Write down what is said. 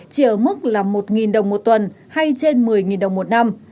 chỉ ở mức là một đồng một tuần hay trên một mươi đồng một năm